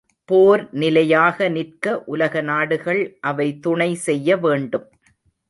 போர் நிலையாக நிற்க உலக நாடுகள் அவை துணை செய்ய வேண்டும்.